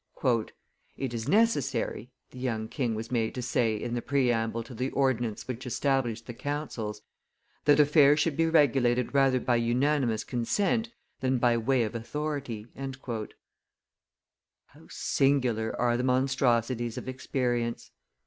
67.] "It is necessary," the young king was made to say in the preamble to the ordinance which established the councils, "that affairs should be regulated rather by unanimous consent than by way of authority." How singular are the monstrosities of experience!